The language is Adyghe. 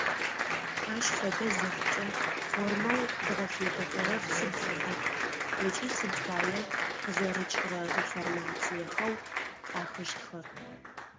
Ащ фэдэ зыхъукӏэ формэу дгъэфедэхэрэр сыд фэдэх ыкӏи сыд пая къызэрыкӏырэ информациехэу пӏахыщтхэр.